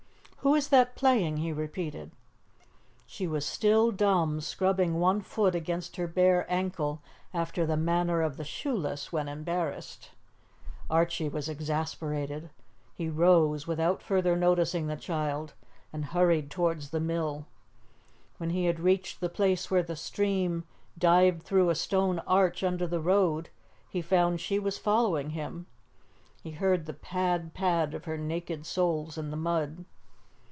"Who is that playing?" he repeated. She was still dumb, scrubbing one foot against her bare ankle after the manner of the shoeless when embarrassed. Archie was exasperated. He rose, without further noticing the child, and hurried towards the mill. When he had reached the place where the stream dived through a stone arch under the road he found she was following him. He heard the pad, pad, of her naked soles in the mud.